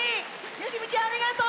よしみちゃんありがとう。